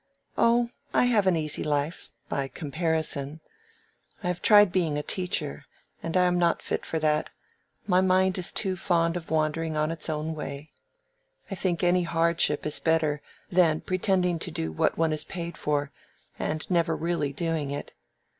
"Oh, I have an easy life—by comparison. I have tried being a teacher, and I am not fit for that: my mind is too fond of wandering on its own way. I think any hardship is better than pretending to do what one is paid for, and never really doing it.